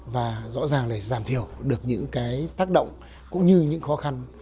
và rõ ràng là giảm thiểu được những tác động cũng như những khó khăn